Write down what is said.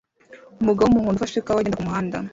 Umugabo wumuhondo ufashe ikawa agenda kumuhanda